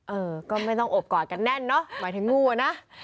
เออก็ไม่ต้องอบกอดกันแน่นเนอะหมายถึงงูอ่ะนะ